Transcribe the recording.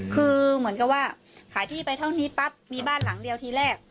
คือเหมือนกับว่าขายที่ไปเท่านี้ปั๊บมีบ้านหลังเดียวทีแรก